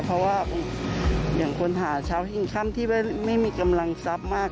เพราะว่าอย่างคนหาเช้าแห่งค่ำที่ไม่มีกำลังทรัพย์มาก